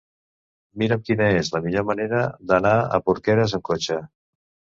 Mira'm quina és la millor manera d'anar a Porqueres amb cotxe.